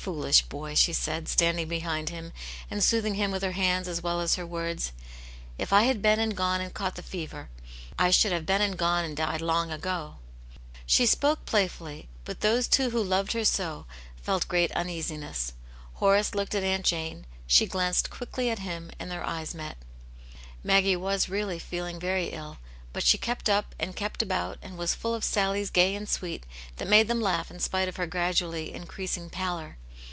"Foolish boy!" she said, standing behind him and soothing him with her hands as well as her words ; "if I had been and gone and caught the fever, I should have been and gone and died long ago." She spoke playfully, but those two who loved her so felt great uneasiness; Horace \oo\i^di ^X ^i>\TA A wit Janets Hero, 159 Jane, she glanced quickly at him, and their eyes met. Maggie was really feeling very ill. But she kept tip and kept about and was full of sallies gay and sweet, that made them laugh in spite of her gradually increasing pallor.